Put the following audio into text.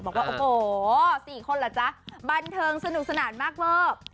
บอกว่าโอ้โห๔คนเหรอจ๊ะบันเทิงสนุกสนานมากเวอร์